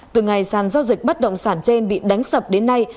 từ ngày sàn giao dịch bất động sản trên bị đánh sập đến nay